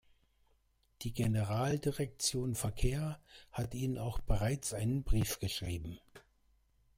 Die Generaldirektion Verkehr hat Ihnen auch bereits einen Brief geschrieben.